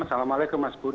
assalamualaikum mas budi